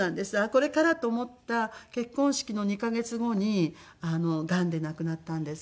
これからと思った結婚式の２カ月後にがんで亡くなったんですけれども。